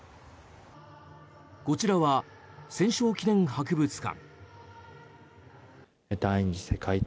こちらは戦勝記念博物館。